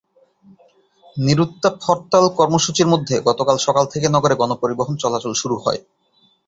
নিরুত্তাপ হরতাল কর্মসূচির মধ্যে গতকাল সকাল থেকে নগরে গণপরিবহন চলাচল শুরু হয়।